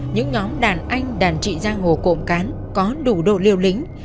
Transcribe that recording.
những nhóm đàn anh đàn trị giang hồ cộm cán có đủ độ liêu lính